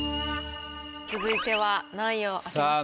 続いては何位を開けますか？